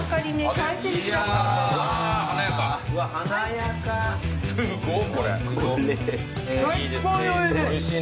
最っ高においしい。